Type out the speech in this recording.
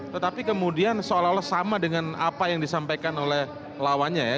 tetapi kemudian seolah olah sama dengan apa yang disampaikan oleh lawannya ya